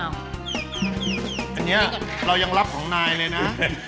เรายังรับของนายเลยนะ